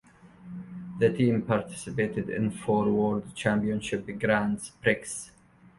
The team participated in four World Championship Grands Prix.